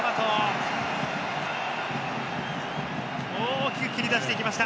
大きく蹴り出していきました。